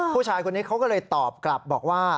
ผู้ชายคนนี้เขาก็เลยตอบกลับบอกว่า